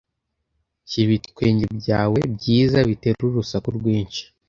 shyira ibitwenge byawe byiza bitera urusaku rwinshi